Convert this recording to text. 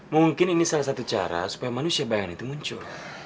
mungkin ini salah satu cara supaya manusia bayangan itu muncul